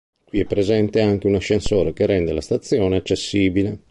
Qui è presente anche un ascensore che rende la stazione accessibile.